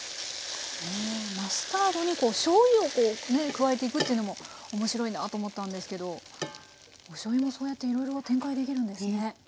マスタードにしょうゆを加えていくっていうのも面白いなと思ったんですけどおしょうゆもそうやっていろいろ展開できるんですね。